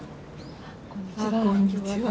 ああこんにちは。